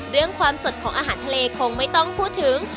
เรื่องความสดของอาหารทะเลคงไม่ต้องพูดถึง